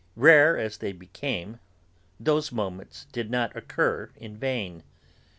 Rare as they became, those moments did not occur in vain.